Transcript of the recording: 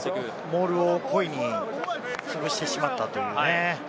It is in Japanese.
モールを故意につぶしてしまったというね。